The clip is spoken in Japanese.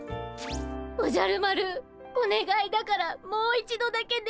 おじゃる丸おねがいだからもう一度だけねがってよ。